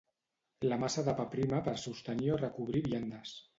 La massa de pa prima per sostenir o recobrir viandes